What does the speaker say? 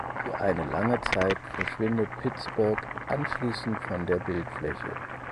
Für eine lange Zeit verschwindet Pittsburgh anschließend von der Bildfläche.